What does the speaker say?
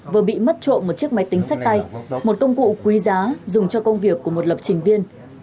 vừa bị mất trộm một chiếc máy tính sách tay một công cụ quý giá dùng cho công việc của một lập trình viên